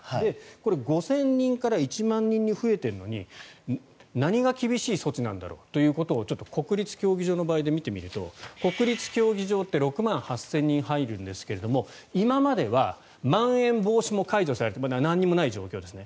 これ、５０００人から１万人に増えているのに何が厳しい措置なんだろうということを国立競技場の場合で見てみると国立競技場って６万８０００人入るんですが今まではまん延防止も解除されて何もない状況ですね。